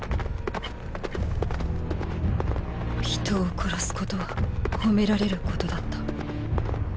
人を殺すことは褒められることだった。